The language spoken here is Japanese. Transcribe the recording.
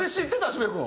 渋谷君。